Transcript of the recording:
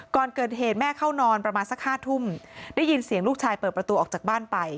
ก่อนเกิดเหตุแม่เข้านอนประมาณสัก๕ทุ่มได้ยินเสียงลูกชายเปิดประตูออกจากบ้านไป